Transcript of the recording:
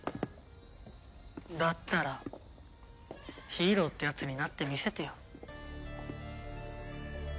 だったらヒーローってやつになってみせてよ。